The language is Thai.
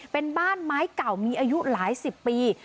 เป็นบ้านไม้เก่ามีอายุหลายสิบปี